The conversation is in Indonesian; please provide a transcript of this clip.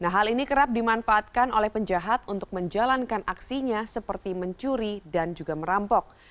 nah hal ini kerap dimanfaatkan oleh penjahat untuk menjalankan aksinya seperti mencuri dan juga merampok